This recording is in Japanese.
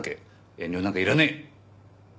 遠慮なんかいらねえ！